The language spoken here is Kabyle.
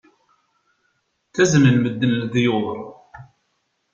Ttaznen medden leḍyur.